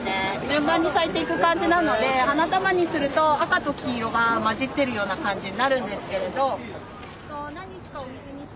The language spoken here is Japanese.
順番に咲いていく感じなので花束にすると赤と黄色が混じってるような感じになるんですけれど何日かお水につけて。